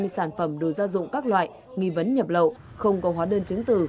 sáu trăm hai mươi sản phẩm đồ gia dụng các loại nghi vấn nhập lậu không có hóa đơn chứng từ